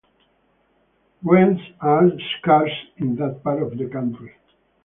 Wrens are scarce in that part of the country.